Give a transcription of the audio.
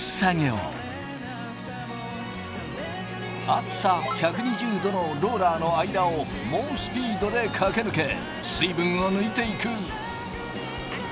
熱さ１２０℃のローラーの間を猛スピードで駆け抜け水分を抜いていく。